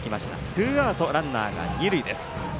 ツーアウト、ランナー、二塁です。